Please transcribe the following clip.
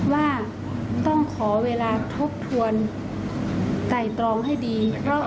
ว่าต้องขอเวลาทบทวนไต่ตรองให้ดี